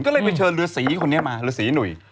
ก็เลยไปเชิญฤษีคนนี้มาฤษีหนุ่ย